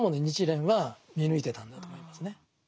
日蓮は見抜いてたんだと思いますね。